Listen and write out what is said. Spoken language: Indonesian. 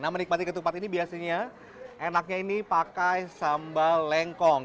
nah menikmati ketupat ini biasanya enaknya ini pakai sambal lengkong